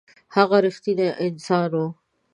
هغه ﷺ رښتینی انسان و.